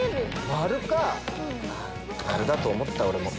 丸だと思った俺も。